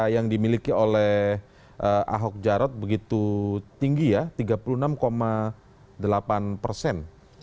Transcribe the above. yang dimiliki oleh ahok jarot begitu tinggi ya tiga puluh enam delapan persen